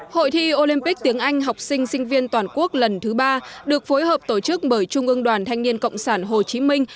hội thi olympic tiếng anh học sinh sinh viên toàn quốc lần thứ ba được phối hợp tổ chức bởi trung ương đoàn thanh niên cộng sản hồ chí minh